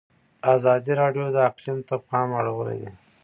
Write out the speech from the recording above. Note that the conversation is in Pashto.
ازادي راډیو د اقلیم ته پام اړولی.